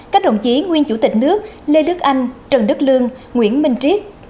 các đồng chí nguyên chủ tịch nước lê đức anh trần đức lương nguyễn minh triết